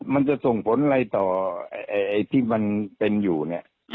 มันจะส่งผลอะไรต่อไอ้ที่มันเป็นอยู่เนี่ย